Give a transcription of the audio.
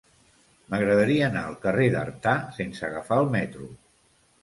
M'agradaria anar al carrer d'Artà sense agafar el metro.